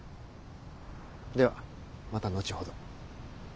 ではまた後ほど。